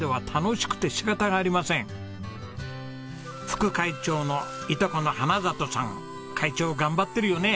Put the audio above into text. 副会長のいとこの花里さん会長頑張ってるよね？